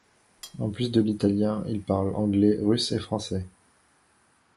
En plus de l'italien, il parle anglais, russe et français.